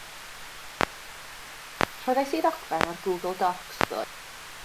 Rhoddais i ddogfen ar Google Docs ddoe.